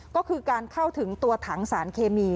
ก็คือการเข้าถึงตัวถังสารเคมี